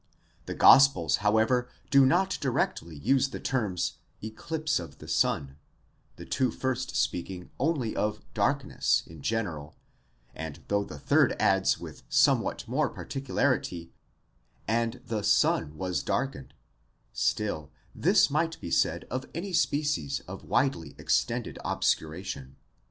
The gospels however do not directly use the terms ἔκλειψις τοῦ ἡλίου (eclipse of the sun), the two first speaking only of darkness σκότος in general ; and though the third adds with somewhat more particularity: καὶ ἐσκοτίσθη ὃ ἥλιος, and the sun was darkened, still this might be said of any species of widely extended obscuration.